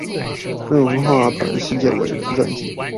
漫畫版世界偉人傳記